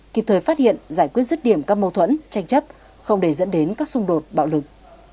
kịp thời phát hiện giải quyết rứt điểm các mâu thuẫn tranh chấp không để dẫn đến các xung đột bạo lực